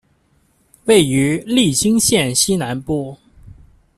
位于利津县西南部。